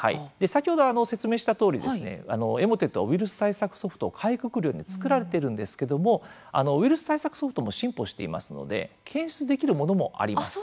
先ほど説明したとおりエモテットはウイルス対策ソフトをかいくぐるように作られているんですけどもウイルス対策ソフトも進歩していますので検出できるものもあります。